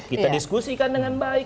kita diskusikan dengan baik